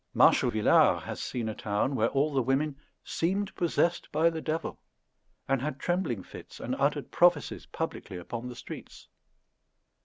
Marshal Villars has seen a town where all the women "seemed possessed by the devil," and had trembling fits, and uttered prophecies publicly upon the streets.